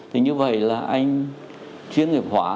thì như vậy là anh chuyên nghiệp họa